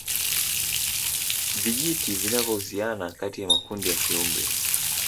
Vijiti vinavyohusiana kati ya makundi ya kiumri